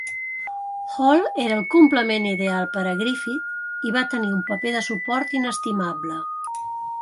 Hall era "el complement ideal" per a Griffith i va tenir un paper de suport inestimable.